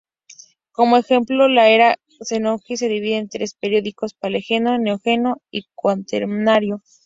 Como ejemplo: la Era Cenozoica se divide en tres períodos: Paleógeno, Neógeno y Cuaternario.